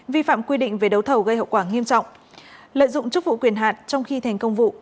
vi phạm quy định về đấu thầu gây hậu quả nghiêm trọng lợi dụng chức vụ quyền hạn trong khi thành công vụ